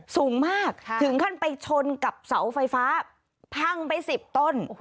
สูงมากถึงขั้นไปชนกับเสาไฟฟ้าพังไป๑๐ต้น